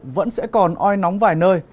vẫn sẽ còn oi nóng vài nơi